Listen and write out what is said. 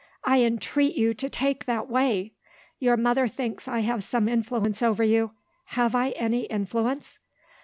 I entreat you to take that way! Your mother thinks I have some influence over you. Have I any influence?"